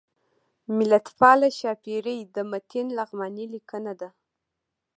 ملتپاله ښاپیرۍ د متین لغمانی لیکنه ده